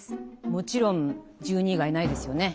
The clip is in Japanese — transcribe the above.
もちろん１２以外ないですよね。